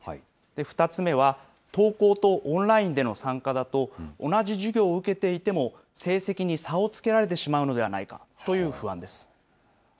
２つ目は登校とオンラインでの参加だと、同じ授業を受けていても、成績に差をつけられてしまうのではないかという不安です。